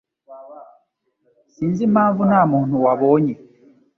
Sinzi impamvu ntamuntu wabonye